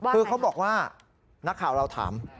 คือเขาบอกว่านักข่าวเราถาม